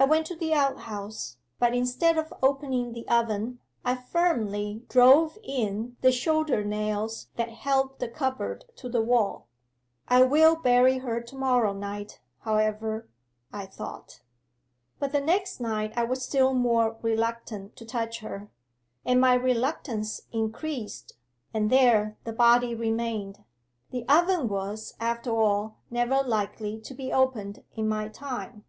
I went to the outhouse, but instead of opening the oven, I firmly drove in the shoulder nails that held the cupboard to the wall. "I will bury her to morrow night, however," I thought. 'But the next night I was still more reluctant to touch her. And my reluctance increased, and there the body remained. The oven was, after all, never likely to be opened in my time.